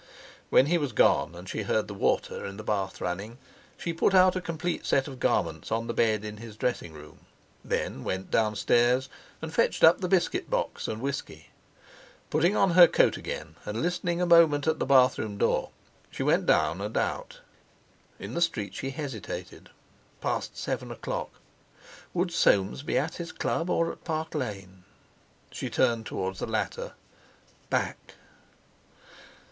When he was gone, and she heard the water in the bath running, she put out a complete set of garments on the bed in his dressing room, then went downstairs and fetched up the biscuit box and whisky. Putting on her coat again, and listening a moment at the bathroom door, she went down and out. In the street she hesitated. Past seven o'clock! Would Soames be at his Club or at Park Lane? She turned towards the latter. Back!